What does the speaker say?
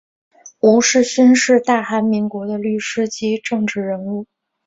吴世勋是大韩民国的律师及政治人物。